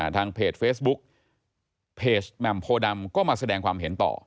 ทางเพจเฟซบุ๊กเพจแหม่มโพดำก็มาแสดงความเห็นต่อ